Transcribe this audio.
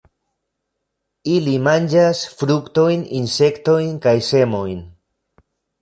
Ili manĝas fruktojn, insektojn kaj semojn.